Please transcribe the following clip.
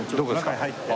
中へ入って。